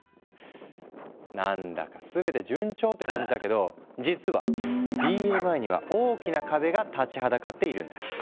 何だか全て順調って感じだけど実はＢＭＩには大きな壁が立ちはだかっているんだ。